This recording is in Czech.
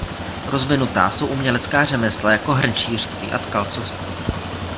Rozvinutá jsou umělecká řemesla jako hrnčířství a tkalcovství.